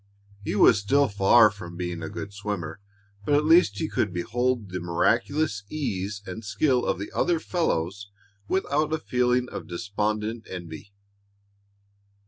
He was still far from being a good swimmer, but at least he could behold the miraculous ease and skill of the other fellows without a feeling of despondent envy.